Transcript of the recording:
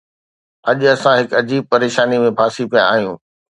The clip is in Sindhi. اڄ اسان هڪ عجيب پريشانيءَ ۾ ڦاسي پيا آهيون.